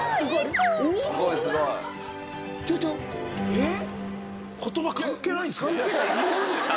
えっ！